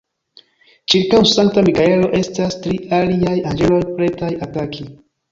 Ĉirkaŭ Sankta Mikaelo estas tri aliaj anĝeloj pretaj ataki.